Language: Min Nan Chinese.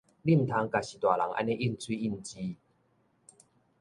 你毋通共序大人按呢應喙應舌